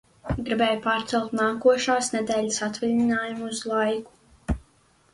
Gribēju pārcelt nākošās nedēļas atvaļinājumu uz laiku.